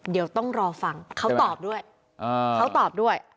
เดี๋ยวต้องรอฟังเขาตอบด้วย